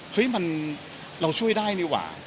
เฮ้ยเราช่วยได้นี่หว่า